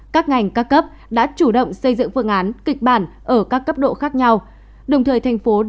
các ngành các cấp đã chủ động xây dựng phương án kịch bản ở các cấp độ khác nhau